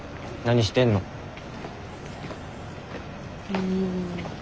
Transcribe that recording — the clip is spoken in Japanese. うん。